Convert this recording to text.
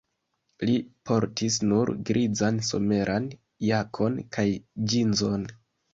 Li portis nur grizan someran jakon kaj ĝinzon.